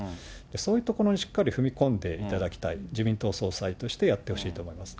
そういうところにしっかり踏み込んでいただきたい、自民党総裁としてやってほしいと思います。